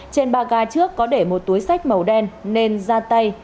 trên ba gai trước có để một túi sách màu đen nền da tay